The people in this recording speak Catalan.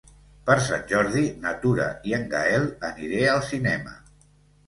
Per Sant Jordi na Tura i en Gaël aniré al cinema.